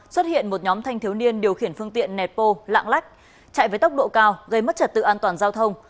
xuất hiện một nhóm thanh thiếu niên điều khiển phương tiện nẹt bô lạng lách chạy với tốc độ cao gây mất trật tự an toàn giao thông